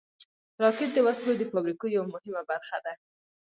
راکټ د وسلو د فابریکو یوه مهمه برخه ده